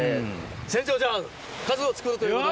船長じゃ数を作るということで。